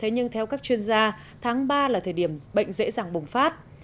nhưng theo các chuyên gia tháng ba là thời điểm bệnh dễ dàng bùng phát